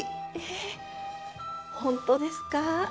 えっ本当ですか？